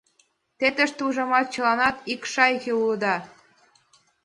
Те тыште, ужамат, чыланат ик шайке улыда.